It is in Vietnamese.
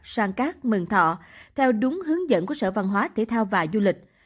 sang cát mừng thọ theo đúng hướng dẫn của sở văn hóa thể thao và du lịch